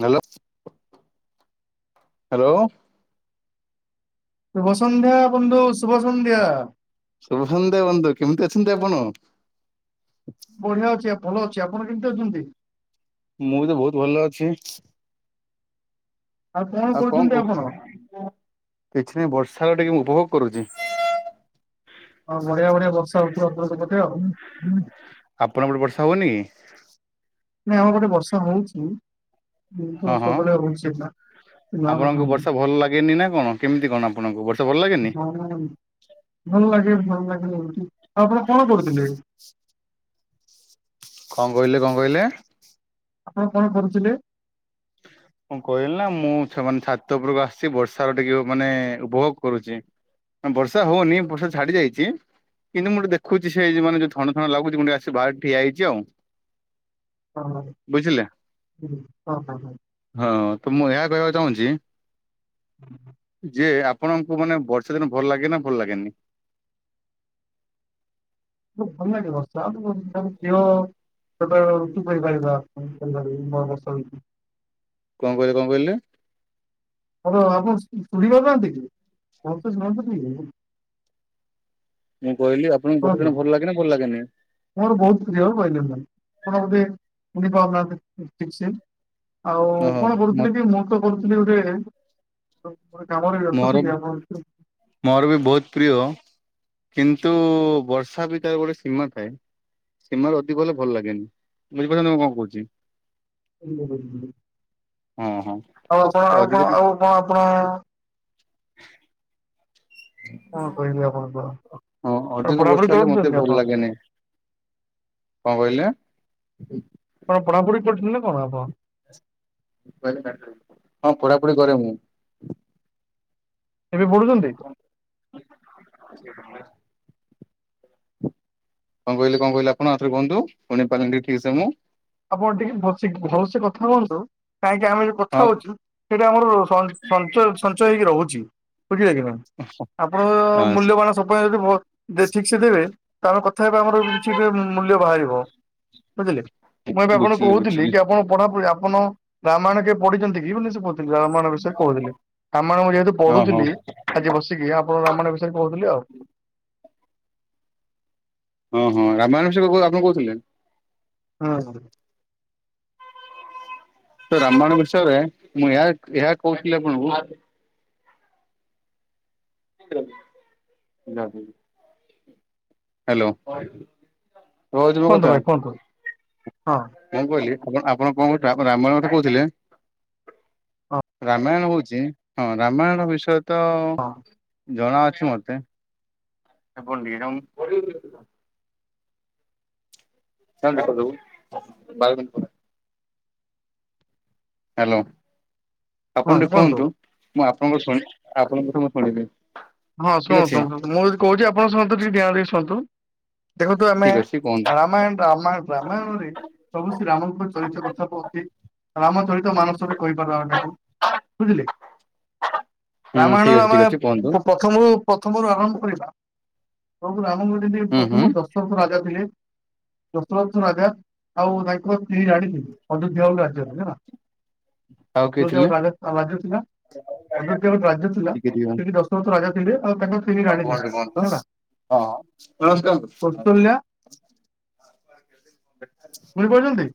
Hello hello. ଶୁଭସନ୍ଧ୍ୟା ବନ୍ଧୁ ଶୁଭସନ୍ଧ୍ୟା। ଶୁଭସନ୍ଦ୍ୟା ବନ୍ଧୁ କେମ୍ତି ଅଛନ୍ତି ଆପଣ? ବଢିଆ ଅଛି ଆ ଭଲ ଅଛି ଆପଣ କେମ୍ତି ଅଛନ୍ତି? ମୁଁ ବି ତ ଭୋଉତ ଭଲ ଅଛି। କଣ ଆଉ କଅଁ କରୁଛନ୍ତି ଆପଣ [unintelligible] କିଛି ନାଇଁ ବର୍ଷାକୁ ଟିକେ ମୁଁ ଉପଭୋଗ କରୁଛି। ହଁ ବଢିଆ ବଢିଆ ବର୍ଷା ହୋଉଥିବ ଆପଣ ଙ୍କ ପଟେ ଆଉ। ଆପଣଙ୍କ ପଟେ ବର୍ଷା ହୋଉନିକି? ନା ଆମ ପଟେ ବର୍ଷା ହୋଉଛି କିନ୍ତୁ ହଁ ହଁ ସବୁଆଡେ ହୋଉଛି ଏଇଖିଣା। ଆପଣଙ୍କୁ ବର୍ଷା ଭଲ୍ ଲାଗେନି ନା କଣ କେମିତି କଣ ଆପଣଙ୍କୁ ବର୍ଷା ଭଲ୍ ଲାଗେନି? ଭଲ୍ ଲାଗେ ଭଲ୍ ଲାଗେ ଲେ ଓଲ୍ଟି ଆଉ ଆପଣ କଣ କରୁଥିଲେ? ସୁ କଅଁ କଇଲେ କଅଁ କଇଲେ? ଆପଣ କଣ କରୁଚିଲେ? ହଁ କଇଲି ନା ମୁଁ ଛା ମାନେ ଛାତ ଉପୁରୁକୁ ଆସିଛି ବର୍ଷାର ଟିକେ ମାନେ ଉପଭୋଗ କରୁଚି। ଆ ବର୍ଷା ହୋଉନି ବର୍ଷା ଛାଡିଯାଇଛି କିନ୍ତୁ ମୁଁ ଟେ ଦେଖୁଛି ସେ ଯୋଉ ମାନେ ଥଣ୍ଡା ଥଣ୍ଡା ଲାଗୁଛି ମୁଁ ଟିକେ ଆସିକି ବାହାରେ ଠିଆ ହେଇଛି ଆଉ। ହଁ ହଁ ବୁଝିଲେ। ହୁଁ ହଁ ହଁ। ହଁ ତ ମୁଁ ଏୟା କଇବାକୁ ଚାହୁଁଛି ଯେ ଆପ୍ ଆପଣଙ୍କୁ ମାନେ ବର୍ଷା ଦିନ ଭଲ୍ ଲାଗେ ନା ଭଲ୍ ଲାଗେନି? ମତେ ଭଲ୍ ନାଗେ ବର୍ଷା ମୋ ତା ହେଲେ ଦେଓ ସେତେବେଳେ ଉଠି ପାଇ ପାରିବା ପୁଣି କାଲି ଠାରୁ ବି ନୂଆ ବର୍ଷା ହୋଉଛି। କଅଁ କଇଲେ କଅଁ କଇଲେ? [unintelligible] ଆପଣ ଶୁଣ୍ ଶୁଣି ପାରୁନାହାନ୍ତି କି ଭଲ୍ସେ ଶୁଣନ୍ତୁ ଟିକେ ଉ ମୁଁ କଇଲି ଆପଙ୍କୁ ବର୍ଷା କୁହନ୍ତୁ ଦିନ ଭଲ୍ ଲାଗେ ନା ଭଲ୍ ଲାଗେନି? ମୋର ବହୁତ୍ ପ୍ରିୟ ବଇଲେସନ୍ ଆପଣ ବୋଧେ ବୋଧେ କମ୍ ନା ମ୍ୟୁଜିକ୍ସିଆନ। ଆଉ ଓହୋ କଣ ମ କରୁଥିଲି କି ମୁଁ ତ କରୁଥିଲି ଗୋଟେ ଗୋ ଗୋଟେ କାମରେ ବ୍ୟସ୍ତ ମୋର ଥିଲି ଆପଣ ସେଠୁ ମୋର ବି ବହୁତ୍ ପ୍ରିୟ କିନ୍ତୁ ବର୍ଷା ବି କାଆକୁ ଗୋଟେ ସୀମା ଥାଏ। ସୀମା ରୁ ଅଧିକ ହେଲେ ଭଲ୍ ଲାଗେନି ବୁଝିପାରୁଚନ୍ତି ମୁଁ କଣ କୋଉଚି। ହଁ ହଁ ଆଉ ଆପଣ ଆଉ କଅଁ ଆଉ କଅଁ ଆପଣ-ଣ ହେଲୋ କଣ କହିବି ଆପଣଙ୍କର ହଁ ଆପଣ ଅଧିକ ପଢାପଢି ବଛା ହେଲେ ମତେ କରୁଛନ୍ତି ଆପଣ ଭଲ୍ ଲାଗେନେଇଁ। କଅଁ କଇଲେ? କଣ ପଢାପଢି କରୁଥିଲେ ନା କଣ ଆପଣ। ମୋବାଇଲ ରେ ଡାଟାରୁ, ହଁ ପଢାପଢି କରେ ମୁଁ। ଏବେ ପଢୁଛନ୍ତି? [inaudible] କିଏ ରମେଶ କଅଁ କଇଲେ, କଅଁ କଇଲେ, ଆପଣ ଆଉ ଥରେ କୁହନ୍ତୁ, ଶୁଣି ପାରିଲିନି ଠିକ୍ ସେ ମୁଁ। ଆପଣ ଟିକେ ଭଲ୍ସେ ଗି ଭଲ୍ସେ କଥା ହୁଅନ୍ତୁ, କାହିଁକି ଆମେ ଯୋଉ କଥା ହଁ ହୋଉଚୁ ସେଇଟା ଆମର ସଂ ସଂଚୟ ସଂଚୟ ହେଇକି ରୋହୁଛି। ବୁଝିଲ କି ମ୍ୟାମ୍, ଆପଣଙ୍କ ର ବାସ୍ ମୂଲ୍ୟବାନ ସ ଯଦି ଜେଦି ଭ ବେଠିକ୍ ସେ ଦେବେ, ତାର କଥା ହେବା ଆମର ବି ବିଛିଦେ ମୂଲ୍ୟ ବାହାରିବ। ବୁଝିଲେ, ମୁଁ ଏବେ ଆପଣଙ୍କୁ ବୁଝିଲି କୋହୁଥିଲି ବୁଝିଲି କି ଆପଣ ପଢାପଢି ଆପନ ରାମାୟଣ କିଏ ପଢିଛନ୍ତି କି ବୋଲି ସେ କହୁଥିଲେ, ରାମାୟଣ ବିଷୟ କୋହୁଥିଲେ, କାମାୟଣ ମୁଁ ଯେହେତୁ ହଁ ହଁ ପଢୁଥିଲି ଆଜି ବସିକି ଆପଣ ରାମାୟଣ ବିଷୟରେ କହୁଥିଲେ ଆଉ ହଁ ହଁ ରାମାୟଣେଶ୍ୱର କହୁ ଆପଣ କହୁଥିଲେ। ହଁ ତ ରାମାୟଣ ବିଷୟରେ ମୁଁ ଏହା ଏହା କହୁଥିଲି ଆପଣଙ୍କୁ ହଁ ହଁ ହ୍ୟାଲୋ ରଜ ମୋ କୁହନ୍ତୁ କଥା। ଭାଇ କୁହନ୍ତୁ ହଁ କଣ କହିଲି ଆଣ ଆପଣ କଣ କ ରାମାୟଣ କଥା କହୁଥିଲେ। ହଁ ରାମାୟଣ ହଉଛି ହଁ ରାମାୟଣ ବିଷୟ ତ ହଁ ଜଣାଅଛି ମତେ [unintelligible] [unintelligible] ହ୍ୟାଲୋ ଆପଣ ଟିକେ କୁହନ୍ତୁ। ମୁଁ ଆପଣଙ୍କ ଶୁଣ ଆପଣଙ୍କ କଥା ମୁଁ ଶୁଣିବି। ହଁ ଠିକ ଅଛି ଶୁଣନ୍ତୁ ମୁଁ ଯଦି କହୁଛି ଆପଣଙ୍କ ସନ୍ତେ ଟିକେ ଧ୍ୟାନ ଦେଇି ଶୁଣନ୍ତୁ। ଦେଖଛୁ ଆମେ ଠିକ ଅଛି କୁହନ୍ତୁ ରାମାୟଣ ରାମାୟଣ ରାମାୟଣରି ପ୍ରଭୁ ଶ୍ରୀ ରାମଙ୍କ ଚରିତ୍ର କଥା କଉଛି ରାମ ଚରିତ ମାନସ ବି କହିପାରିବାଟାକୁ। ବୁଝିଲେ ହୁଁ ଠିକ ରାମାୟଣରୁ ଅଛି ଆମ ଠିକ ଅଛି କୁହନ୍ତୁ ପ୍ରଥମରୁ ପ୍ରଥମରୁ ଆରମ୍ଭ କରିବା ପ୍ର ରାମକୁ ଯଦି ହୁଁ ହୁଁ ପ୍ରଥମ ଦଶରଥ ରାଜା ଥିଲେ। ଦଶରଥ ରାଜା ଆଉ ତାଙ୍କର କେହି ଜାଣିଛନ୍ତି ଅଯୋଧ୍ୟା ଭଳି ରାଜ୍ୟରେ ହେଲା। ଆଉ କିଏ ଯ ଥିଲେ ଗୋଟେ ରାଜ୍ୟ ଥିଲା ଅଯୋଧ୍ୟା ଗୋଟେ ଟିକେ ରାଜ୍ୟ ଥିଲା ସେଠି ଦଶ ରାଜା ଥିଲେ ସ୍ତ୍ରୀ ହଉ ରାଣୀ ଥିଲେ କୁହଣି କୁହନ୍ତୁ ହେଲା ହଁ ଶୋଇପଡ଼ିଛନ୍ତି।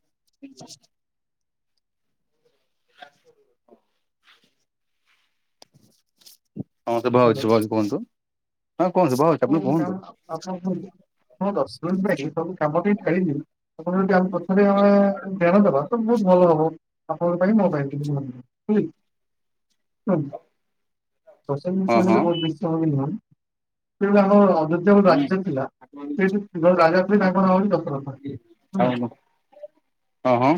ହୁଁ କର ହଁ ସେ ଭ ଅଛିଛି କୁହନ୍ତୁ ହଁ କୁହନ୍ତୁ ଭଛି। ହୁଁ ହ ଆପଣ ଦଶ ମିନିଟ ଭ ସବୁ କାମ [unintelligible] ଯଦି ଆମେ ଧ୍ୟାନ ଦେବା ତ ବହୁତ ଭଲ ହବ ଆପଣଙ୍କ ପାଇଁ ମୋ ପାଇଁ କେମିତି ହୁଁ ହୁଁ ଦ ହଁ ବହୁତଶ ହଁ ବି ନୁହଁ କିନ୍ତୁ ଆମ ଅ ହୁଁ ରାଜ୍ୟ ଥିଲା ସେଠ ରାଜା ବୋଲି ତାଙ୍କ ନା ବୋଲି ବୋଲି ଦଶରଥ। ଓ ହଁ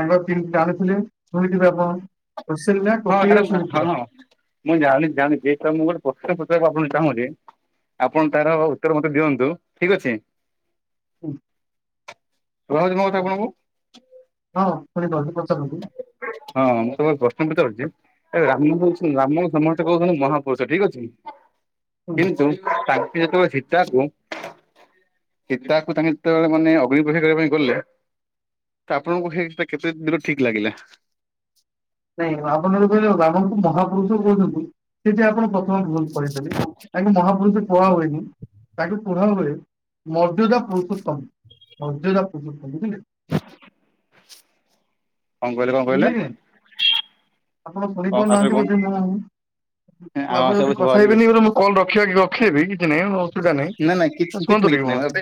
ତାଙ୍କ ତିନିଟା ରାଣିଥିଲେ ଶୁଣିଥିବେ ଆପଣ କସଲ୍ୟା କୈକେୟୀ ଆରେ ଓ ହଁ ସୁମିତ୍ରା। ହଁ ମୁଁ ଜାଣିଚି ଜାଣିଚି ମୁଁ ଗୋଟେ ପ୍ରଶ୍ନ ପକୁ ଆପଣଙ୍କୁ ଚାହୁଁଛି। ଆପଣ ତାର ଉତ୍ତର ମତେ ଦିଅନ୍ତୁ ଠିକ ଅଛି। ହୁଁ। କଥା ଆପଣଙ୍କୁ ହଁ ଶୁଣିପାରୁଛି ପଚାରନ୍ତୁ ହଁ। ତ ପ୍ରଶ୍ନ ପଚାରୁଛି ଏ ରାମ କହୁଛନ୍ତି ରାମ ସମସ୍ତେ କହୁଛନ୍ତି ମହାପୁରୁଷ ଠିକ ଅଛି। ହୁଁ। କିନ୍ତୁ ତାଙ୍କ ଯେତେବେଳେ ଶୀତାକୁ ସୀତାକୁ ତାଙ୍କେ ଯେତେବେଳେ ମାନେ ଅଗ୍ନିପରିକ୍ଷା କରିବା ପାଇଁ ଗଲେ? ତ ଆପଣଙ୍କୁ ସେଇଟା କେତେ ଦୂର ଠିକ ଲାଗିଲା? ନାଇଁ ଆପଣ ଯୋଟ କହିଲେ ରାମଙ୍କୁ ମହାପୁରୁଷ କୁହଛନ୍ତି ସେଠି ଆପଣ ଭୁଲ ପଢିଥିଲି ତାକୁ ମହାପୁରୁଷ କୁହା ହଏନି ତାକୁ କୁହା ହଏ? ମର୍ଯ୍ୟାଦା ପୁରୁଷୋତ୍ତମ ମର୍ଯ୍ୟାଦା ପୁରୁସୋତ୍ତମ ବୁଝିଲେ? କଣ କହିଲେ କଣ ବୁଝିଲେ କହିଲେ? କି ନାଇଁ ଆପଣ ଆଉଥରେ କହିପାରୁନାହାନ୍ତି ବୋଧେ କୁହନ୍ତୁ ମୁଁଁ ହଁ ଆପଣ ସବୁ ଯଦି କଥା ଶୁଭାଯାଉଛି ହେବେନି ବୋ ମୁ କଲ ରଖିବା କି? ରଖେ ବି କିଛି ନାହିଁ ଅସୁବିଧା ନାହିଁ ନା କୁହନ୍ତୁ ଟିକେ ଭଲସେ।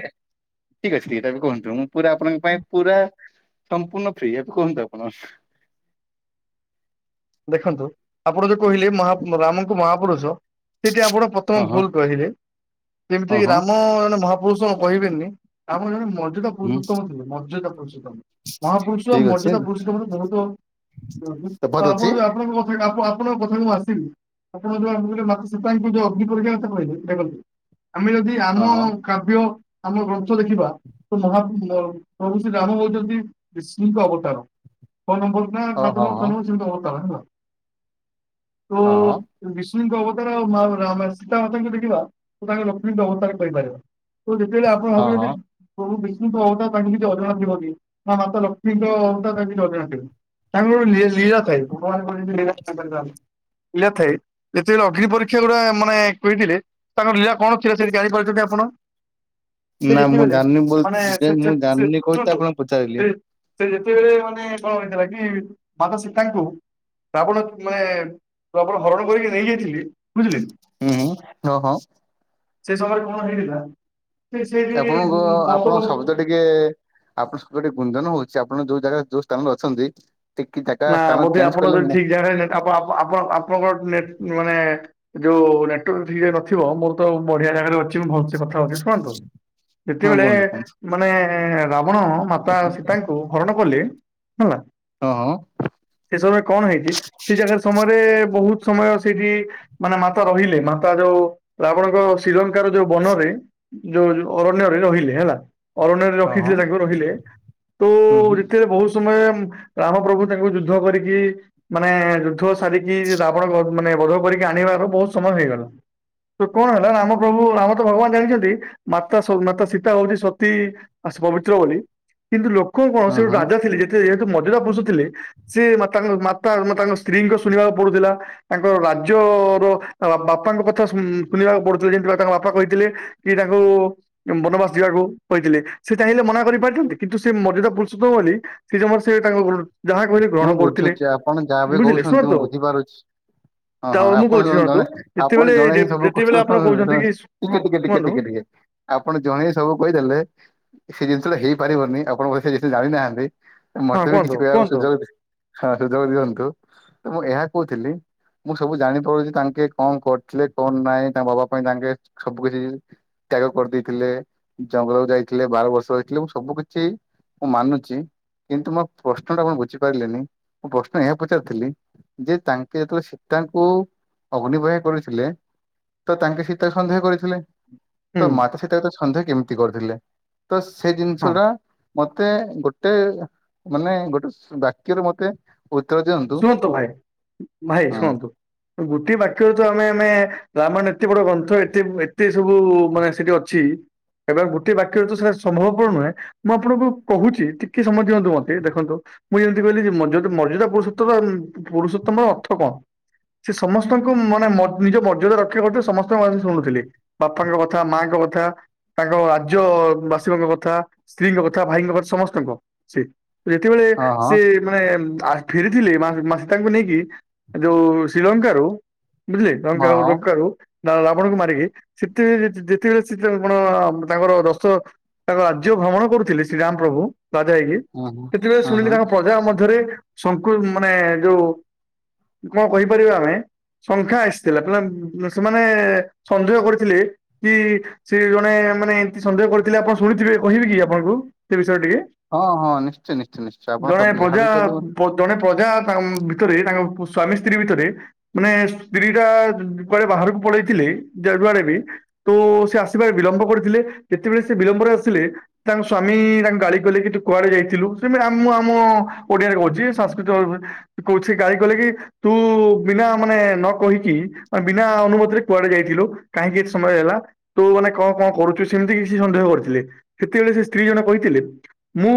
ଠିକ୍ ଅଛି ଠିକ୍ ଇଟା କୁହନ୍ତୁ ମୁଁ ପୁରା ଆପଣଙ୍କ ପାଇଁ ପୁରା ସମ୍ପୂର୍ଣ୍ଣ ଫ୍ରି ଏବେ କୁହନ୍ତୁ ଆପଣ? ଦେଖନ୍ତୁ ଆପଣ ଯୋଉ କହିଲେ ମହା ରାମଙ୍କୁ ମହାପୁରୁଷ ସେଠି ଆପଣ ପ୍ର ତ ହଁ ଭୁଲ କହିଲେ ହଁ ଯେମିତିକି ହଁ ରାମ ଜଣେ ମହାପୁରୁଷ କଣ କହିବେନି ଆମ ଜଣେ ମ ମର୍ଯଦା ହୁଁ ପରୁଷୋତମ ଥିଲେ ମର୍ଯଦା ପରୁଷୋତ ମହାପୁରୁଷ ଠିକ ଅଛି ମର୍ଯ୍ୟାଦା ପୁରୁଷ ମେ ବହୁତ ଶପଥ ଆପଣ ଅଛି ଯୋଉ ଆପଣଙ୍କ କଥା ଆପଣଙ୍କ କଥାକୁ ମୁଁ ଆସିବି। ଆପଣ ଯୋଉ ଆ ମା ସୀତାଙ୍କୁ ଯୋଉ ଅଗ୍ନି ପରୀକ୍ଷା କହିବେଇଟ ଆମେ ଯଦି ଆମ ହଁ କାବ୍ୟ ଆମ ଗ୍ରନ୍ଥ ଦେଖିବା। ତ ମହା ପ୍ରଭୁ ଶ୍ରୀରାମ ହଉଛନ୍ତି ଶ୍ରୀଙ୍କ ଅବତାର ନମ୍ବର [inaudible] ହଁ ହଁ ହଁ ହଁ ହଁ ହଁ ବିଷ୍ଣୁଙ୍କ ଅବତାର ଆଉ ମା ସୀତାମାତାଙ୍କୁ ଦେଖିବା ତ ତାଙ୍କୁ ଲକ୍ଷ୍ମୀଙ୍କ ଅବତାର କହିପାରିବା। ତ ଯେତେଲେ ଆପଣ ହବୁ ହଁ ଯଦି ହଁ ପ୍ରଭୁ ବିଷ୍ଣୁଙ୍କ ଅବତାର ତାଙ୍କୁ କିଛି ଅଜଣା ଥିବନି ମା ମାତା ଲକ୍ଷ୍ମୀଙ୍କ ଅବତାରା କିଛି ଅଜଣା ଥିବି। ତାଙ୍କର ଗୋଟେ ଲୀଳା ଥାଏ ଭଗବାନଙ୍କ ଯେମିତି ଲୀଳା ଥାଏ। ଯେତେବେଳେ ଅଗ୍ନି ପରୀକ୍ଷା ଗୁଟା ମାନେ କହିଥିଲେ ତାଙ୍କର ଲୀଲା କଣ ଥିଲା ସେଇଠି ଲୀଳା ପାରିଛନ୍ତି ଆପଣ? ସେ ନା ମୁଁ ଯେତିବେଲେ ଜାଣିନି ବୋଲ ମାନେ ସେ ମୁଁ ସେ ଜାଣିନି କହି ତ ଛୋଟ ଆପଣଙ୍କୁ ପଚାରିଲି ସେ ସେ ଯେତେବେଳେ ମାନେ କଣ ହେଥିଲା କି ମାତା ଶି ତାଙ୍କୁ ଏବଣ ମାନେ ରାବଣ ହରଣ କରିକି ନେଇଯାଇଥିଲି ବୁଝିଲେ? ହୁଁ ହ ଓହୋ। ସେ ସମୟରେ କଣ ହେଇଥିଲା ସେ ଆପଣଙ୍କ ସେଇଠ ବର୍ଷ ଆପଣଙ୍କ ବସ ଶବ୍ଦ ଟିକେ ଆପଣଙ୍କ ସହି ଗିକେ ଗୁଞନ୍ଦନ ହଉଛି ଆପଣ ଯୋଉ ଜାଗା ଯୋଉ ସ୍ଥାନରେ ଅଛନ୍ତି। ଟିକେ ଜାଗା ନା ସ୍ଥାନ ବୋଧେ ଚେଞ୍ଜ ଆପଣ କଲେ ଯଦି ମୁଁ ଠିକ୍ ଜାଗେପ ଆପଣଙ୍କର ନେଟ୍ ମାନେ ଯୋଉ ନେଟୱାକ ଠିକରେ ନଥିବ ମୋର ତ ବଢିଆ ଜାଗାରେ ଅଛି ମୁଁ ଭଲସେ କଥା ହଉଛି। ଶୁଣନ୍ତୁ ହଁ ଯେତେବେଳେ କୁହନ୍ତୁ କୁହନ୍ତୁ ମାନେ ରାବଣ ମାତା ସୀତାଙ୍କୁ ହରଣ କଲେ ହେଲା। ହଁ। ସେ ସମବୟରେ କଣ ହେଇଛି ସେ ଜାଗା ସମୟରେ ବହୁତ ସମୟ ସେଇଠି ମାନେ ମାତା ରହିଲେ ମାତା ଯୋଉ ଆପଣଙ୍କ ଶ୍ରୀଲଙ୍କାର ଯୋଉ ବନରେ ଯୋଉ ଅରଣ୍ୟରେ ରହିଲେ ହେଲା। ଅରଣ୍ୟରେ ହଁ ରଖିଥିଲେ ହଁ ତାଙ୍କ ରହିଲେ ତ ହୁଁ ହୁଁ ଯେତେବେଳେ ବହୁତ ସମୟ ରାମ ପ୍ରଭୁ ତାଙ୍କୁ ଯୁଦ୍ଧ କରିକି ମାନେ ଯୁଦ୍ଧ ସାରିକି ଆପଣ ମାନେ ବଧ କରିକି ଆଣିବାର ବହୁତ ସମୟ ହେଇଗଲା। ତ କଣ ହେଲା ରାମ ପ୍ରଭୁ ରାମତ ଭଗବାନ ଜାଣିଚନ୍ତି ମାତା ମାତା ସୀତା ହଉଚି ସତୀ ଆସ ପବିତ୍ର ବୋଲି କିନ୍ତୁ ଲୋକ କଣ ହଁ ସେଗୋଟେ ହଁ ରାଜା ଥିଲେ ଯେତେ ଯେହେତୁ ମଜଦ ପୁରୁଷ ଥିଲେ ସିଏ ମାତା ମାତାଙ୍କ ସ୍ତ୍ରୀଙ୍କ ଶୁଣିବାକୁ ପଡ଼ୁଥିଲା। ତାଙ୍କର ରାଜ୍ୟର ବାପାଙ୍କ କଥା ଶୁଣିବାକୁ ପଢ଼ୁଥିଲେ ଯେମିତି ତାଙ୍କ ବାପା କହିଥିଲେ। କି ତାକୁ ବନବାସ ଯିବାକୁ କହିଥିଲେ ସେଚାହିଁଲେ ମନା କରିପାରିଥାନ୍ତେ କିନ୍ତୁ ସେମର୍ଯ୍ୟାଦା ପୁରୁଷୋତ୍ତମ ବୋଲି ସେ ଯମା ସେଇ ଟାଙ୍କ ଗ୍ର ମୁଁ ବୁଝୁଛି ଆପଣ ଯାହାବି ବୁଝିଲେ କହୁଚନ୍ତି ମୁଁ ଶୁଣନ୍ତୁ ବୁଝିପାରୁଛି। ହଁ ତା ହଁ ମୁଁ କହୁଛି ଆପଣ ଶୁଣନ୍ତୁ ଜଣେ ଯେତେବେଳେ ଆପଣ ଜଣେ ହିଁ ସବୁ ଯେତେବେଳେ ଆପଣ କହୁଛନ୍ତି କି ହଁ ଟିକେ ଟିକେ ଟିକେ କୁହନ୍ତୁ ଟିକେ ଟିକେ ଆପଣ ଜଣେଇ ସବୁ କହିଦେଲେ ସେ ଜିନିଷଟା ହେଇପାରିବନି ଆପଣ କିଛି ସେ ବିଷୟରେ ଜାଣିନାହାନ୍ତି। ହଁ ମତେବି କୁହନ୍ତୁ କିଛି କହିବାକୁ କୁହନ୍ତୁ ସୁଯୋଗ ହଁ ସୁଯୋଗ ଦିଅନ୍ତୁ ତ ମୁଁ ଏହା କହୁଥିଲି ମୁଁ ସବୁ ଜାଣିପାରୁଛି ତାଙ୍କେ କଣ କରିଥିଲେ କଣ ନାଇଁ ତାଙ୍କ ବାବା ପାଇଁ ତାଙ୍କେ ସବୁ କିଛି ତ୍ୟାଗ କରିଦେଇଥିଲେ ଜଙ୍ଗଲକୁ ଯାଇଥିଲେ ବାର ବର୍ଷ ରହିଥିଲେ ମୁ ସବୁ କିଛି ମୁଁ ମାନୁଛି କିନ୍ତୁ ମୋ ପ୍ରଶ୍ନଟା କଣ ବୁଝିପାରିଲେନି ମୁଁ ପ୍ରଶ୍ନ ଏହା ପଚାରିଥିଲି ଯେ ତାଙ୍କେ ଯେତେବେଳେ ସୀତାଙ୍କୁ ଅଗ୍ନିିବହା କରଥିଲେ ତ ତାଙ୍କେ ସୀତା ସନ୍ଦେହ କରିଥିଲେ? ହୁଁ ତ ମାତା ସୀତାକୁ ତସନ୍ଦେହ କେମିତି କରୁଥିଲେ ତସେଜିନିଷ ହଁ ଟା ମତେ ଗୋଟେ ମାନେ ଗୋଟେ ବାକ୍ୟରେ ମତେ ଉତ୍ତର ଦିଅ ଶୁଣନ୍ତୁ ଭାଇ ଭାଇ ଶୁଣନ୍ତୁ। ଗୋଟେ ବାକ୍ୟରେତ ଆମେ ଆମେ ରାମାୟଣ ଏତେ ବଡ ଗ୍ରନ୍ଥ ଏତେ ଏତେ ସବୁ ମାନେ ସେଠି ଛି ହେଟାକୁ ଗୋଟିଏ ବାକ୍ୟରେତ ସାର୍ ସମ୍ଭବପର ନୁହେଁ। ମୁଁ ଆପଣଙ୍କୁ କହୁଛି ଟିକେ ସମୟ ଦିଅନ୍ତୁ ମତେ ଦେଖନ୍ତୁ ମୁଁ ଯେମିତି କହିଲିକି ମର୍ଯ୍ୟାଦା ପୁରୁଷ ତମ୍ ପୁରୁଷୋତ୍ତମର ଅର୍ଥ କଣ? ସେ ସମସ୍ତଙ୍କୁ ମାନେ ନିଜ ମର୍ଯ୍ୟାଦା ରକ୍ଷା କରୁଥିଲେ ସମସ୍ତଙ୍କ ଶୁଣୁଥିଲେ। ବାପାଙ୍କ କଥା ମାଙ୍କ କଥା ତାଙ୍କ ରାଜ୍ୟ ବାସୀଙ୍କ କଥା ସ୍ତ୍ରୀଙ୍କ କଥା ଭାଇଙ୍କ କଥା ସମସ୍ତଙ୍କ ସେ ଯେତେବେଳେ ହଁ ହଁ ସେ ମାନେ ଫେରିଥିଲେ ମା ମା ସୀତାଙ୍କୁ ନେଇକି ଯୋଉ ଶ୍ରୀଲଙ୍କାରୁ ବୁଝିଲେ ହଁ ରାବଣ ହଁ ଲଙ୍କାରୁ ନା ରାବଣଙ୍କୁ ମାରିକି ସେତ ଯେତେବେଳେ ସେ କଣ ତାଙ୍କର ଦଶ ତାଙ୍କ ରାଜ୍ୟ ଭ୍ରମଣ କରୁଥିଲେ ଶ୍ରୀରାମ ପ୍ରଭୁ ରାଜା ହେଇକି ହୁଁ ସେଥିରେ ହୁଁ ହୁଁ ଶୁଣିଲି ହୁଁ ତାଙ୍କ ପ୍ରଜା ମଧ୍ୟରେଙ୍କୁ ସଙ୍କୁ ମାନେ ଯୋଉ କଣ କହିପାରିବା ଆମେ ସଂଙ୍ଖ୍ୟା ଆସିଥିଲା ସେମାନେ ସନ୍ଦେହ କରିଥିଲେ କି ସେ ଜଣେ ମାନେ ଏମିତି ସନ୍ଦେହ କରିଥିଲେ ଆପଣ ଶୁଣିଥିବେ କହିବିକି ଆପଣଙ୍କୁ ସେ ବିଷୟରେ ଟିକେ? ହଁ ହଁ ନିଶ୍ଚୟ ନିଶ୍ଚୟ ନିଶ୍ଚୟ ଆପଣ ଜଣେ ସବୁ ପ୍ରଜା ଯାହାବି କିବେ ଜଣେ ପ୍ରଜା ତାଙ୍କ ଭିତରେ ତାଙ୍କ ସ୍ଵାମୀ ସ୍ତ୍ରୀ ଭିତରେ ମାନେ ସ୍ତ୍ରୀଟା କୁଆଡ଼େ ବାହାରକୁ ପଳେଇଥିଲେ ଯୁଆଡ଼େବି ତ ସେ ଆସିବାରେ ବିଳମ୍ବ କରିଥିଲେ ଯେତେବେଳେ ସେ ବିଳମ୍ବରେ ଆସିଲେ ତାଙ୍କ ସ୍ଵାମୀ ତାଙ୍କ ଗାଳି କଲେକି ତୁକୁଆଡ଼େ ଯାଇଥିଲୁ ସେମିତି ମୁଁ ଆମ ଓଡିଆରେ କହୁଚି ସାଂସ୍କୃତିକ କହୁଛେ ସେଗାଳି କଲେକି ତୁ ବିନା ମାନେ ନକହିକି ମାନେ ବିନା ଅନୁମତିରେ କୁଆଡ଼େ ଯାଇଥିଲୁ କାହିଁକି ଏତେ ସମୟ ହେଲା ତୁ ମାନେ କଣ କଣ କରୁଚୁ ସେମିତି କିଛି ସନ୍ଦେହ କରିଥିଲେ ସେତେବେଳେ ସେ ସ୍ତ୍ରୀ ଜଣ କହିଥିଲେ ମୁଁ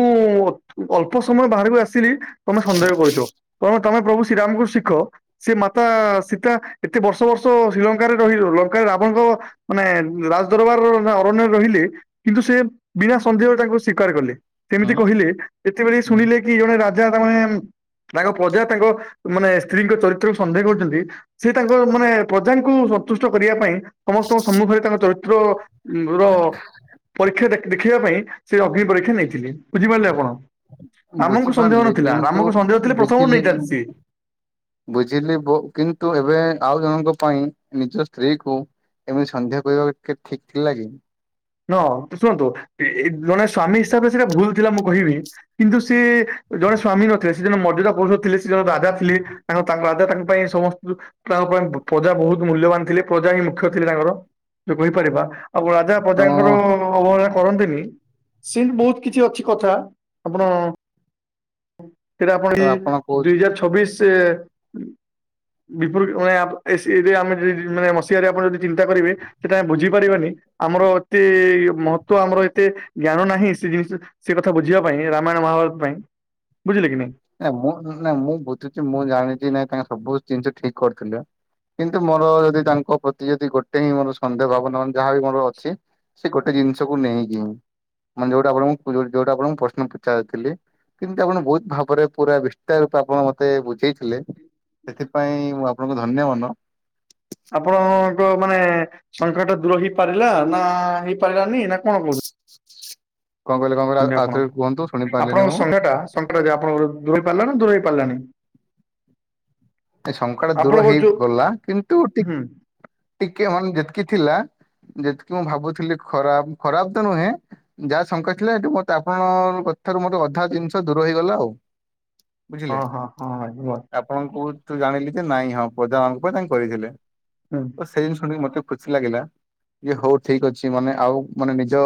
ଅଳ୍ପ ସମୟ ବାହାରକୁ ଆସିଲି ତମେ ସନ୍ଦେହ କରୁଛ ତ ତମ ପ୍ରଭୁ ଶ୍ରୀରାମ କ ଶିଖ ସେ ମାତା ସୀତା ଏତେ ବର୍ଷ ବର୍ଷ ଶ୍ରୀଲଙ୍କାରେ ରହି ଲଙ୍କାରେ ରାବଣଙ୍କ ମାନେ ରାଜ ଦରବାର ଅରଣ୍ୟରେ ରହିଲେ କିନ୍ତୁ ସେ ବିନା ସନ୍ଦେହଳେ ତାଙ୍କୁ ସ୍ୱୀକାର କଲେ। ସେମିତି ମୁଁ- କହିଲେ ଯେତେବେଳେ ହୁଁ ଶୁଣିଲେ କି ଜଣେ ରାଜା ତମାନେ ତାଙ୍କ ପ୍ରଜା ତାଙ୍କ ମାନେ ସ୍ତ୍ରୀଙ୍କ ଚରିତ୍ରକୁ ସନ୍ଦେହ କରୁଛନ୍ତି ସେ ତାଙ୍କ ମାନେ ପ୍ରଜାଙ୍କୁ ସନ୍ତୁଷ୍ଟ କରିବା ପାଇଁ ସମସ୍ତଙ୍କ ସମ୍ମୁଖରେ ତାଙ୍କ ଚରିତ୍ର ର ପରୀକ୍ଷା ଦେଖ ଦେଖିବା ପାଇଁ ସେ ଅଗ୍ନି ପରୀକ୍ଷା ନେଇଥିଲେ ବୁଝିପାରିଲେ ଆପଣ। ରାମଙ୍କୁ ସନ୍ଦେହ ବୁଝିପାରିଲି ନଥିଲା କିନ୍ତୁ ରାମକୁ ସନ୍ଦେହ ଥିଲେ ପ୍ରଥମରୁ ବୁଝିଲେନି ନେଇଥାନ୍ତି ସିଏ। ବୁଝିଲି ବ କିନ୍ତୁ ଏବେ ଆଉ ଜଣଙ୍କ ପାଇଁ ନିଜ ସ୍ତ୍ରୀ କୁ ଏମିତି ସନ୍ଧ୍ୟା କରିବା କେ ଠିକ ଥିଲାକି। ହଁ ଶୁଣନ୍ତୁ ଜଣେ ସ୍ଵାମୀ ହିସାବରେ ସେଇଟା ଭୁଲ ଥିଲା ମୁଁ କହିବି କିନ୍ତୁ ସେ ଜଣେ ସ୍ଵାମୀ ନଥିଲେ ସେ ଜଣେ ମର୍ଯ୍ୟାଦା ପୁରୁଷ ଥିଲେ ସେ ଜଣେ ରାଜା ଥିଲେ। ଆ ତାଙ୍କ ରାଜା ତାଙ୍କ ପାଇଁ ସମସ୍ତ ତାଙ୍କ ପାଇଁ ପ୍ରଜା ବହୁତ ମୂଲ୍ୟବାନ ଥିଲେ ପ୍ରଜା ହିଁ ମୁଖ୍ୟ ଥିଲେ ତାଙ୍କର ଯୋଉ କହିପାରିବା ଆପ ତ ପଜାଙ୍କର ଅବହେଳା କରନ୍ତିନି ସେ ବହୁତ କିଛି ଅଛି କଥା ଆପଣ ସେଇଟା ଆପଣ ଏ ତ ଦୁଇ କହୁଛି ହଜାର ଛବିଶ ରେ [unintelligible] ମାନେ ମସିଆରେ ଆପଣ ଯଦି ଚିନ୍ତା କରିବେ ସେଟା ବୁଝିପାରିବାନି ଆମର ଏତେ ମହତ୍ୱ ଆମର ଏତେ ଜ୍ଞାନ ନାହିଁ ସେ ଜିନିଷ ସେ କଥା ବୁଝିବା ପାଇଁ ରାମାୟଣ ମହାଭାରତ ପାଇଁ। ବୁଝିଲେ କି ନାଁଇ। ନଁ ମୁଁ ନାଁ ମୁଁ ବୁଝୁଛି ମୁଁ ଜାଣିଛି ନାଇଁ ତାଙ୍କ ସବୁ ଜିନିଷ ଠିକ କରିୁଥିଲେ। କିନ୍ତୁ ମୋର ଯଦି ତାଙ୍କ ପ୍ରତି ଯଦି ଗୋଟେ ହିଁ ମୋର ସନ୍ଦେହ ଭାବନା ମାନେ ଯାହାବି ମୋର ଅଛି ସେ ଗୋଟେ ଜିନିଷକୁୁ ନେଇକି। ମାନେ ଯୋଉଟା ଆପଣଙ୍କୁ ଯୋଉଟା ଆପଣଙ୍କୁ ପ୍ରଶ୍ନ ପଚାରିଥିଲି କିମିତି ଆପଣ ବହୁତ ଭାବ ଉପରେ ପୁରା ବିସ୍ତାର ରୂପେ ଆପଣ ମତେ ବୁଝେଇଥିଲେ ସେଥିପାଇଁ ମୁଁ ଆପଣଙ୍କୁ ଧନ୍ୟମନ ଆପଣଙ୍କ ମାନେ ସଂଖ୍ୟା ଟା ଦୂର ହେଇପାରିଲା ନା ହେଇପାରିଲାନି ନା କଣ କହୁ କଣ କହିଲେ କଣ କହିଲେ ଆଉ- ଆପଣ ଆଉଥରେ କୁହନ୍ତୁ ଶୁଣି ପାରିଲିନି ମୁଁ ଆପଣଙ୍କ ସଂଖ୍ୟା ଟା ସଂଖ ଟା ଯେ ଆପଣଙ୍କ ଦୂର ହେଇ ପାରିଲା ନା ଦୂର ହେଇ ପାରିଲାନି! ଏ ଶଙ୍କାଲେ ଦୂର ଆପଣଙ୍କ ଯୋଉ ହେଇଗଲା କିନ୍ତୁ ଟିକ ହୁଁ ଟିକେ ମାନେ ଯେତିକି ଥିଲା ଯେତିକି ମୁଁ ଭାବୁଥିଲି ଖରାପ ଖରାପ ତ ନୁହେଁ ଯାହା ଶଙ୍କା ଥିଲା ଏଠୁ ମତେ ଆପଣଙ୍କ କଥାରୁ ମୋତେ ଅଧା ଜିନିଷ ଦୂର ହେଇଗଲା ଆଉ। ବୁଝିଲେ ହଁ ହଁ ହଁ ଆ- ଆପଣ କହୁ ତୁ ଜାଣିଲି ଯେ ନାଇଁ ହଁ ପ୍ରଜା ମଙ୍କ ପାଇଁ ତାଙ୍କୁ କରିଥିଲେ। ହୁଁ। ସେ ଜିନ ଶୁଣିକି ମତେ ଖୁସି ଲାଗିଲା ଯେ ହଉ ଠିକ ଅଛି ମାନେ ଆଉ ମାନେ ନିଜ